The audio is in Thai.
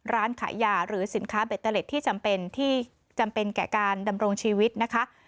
ร้านขายยาหรือสินค้าเบตเตอร์เล็ตที่จำเป็นที่จำเป็นแก่การดำรงชีวิตนะคะ